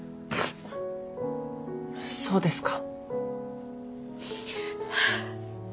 そうですか。